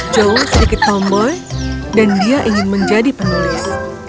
joe sedikit tomboy dan dia ingin menjadi penulis